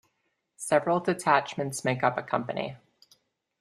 Several detachments make up a company.